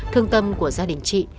thương tâm của gia đình chị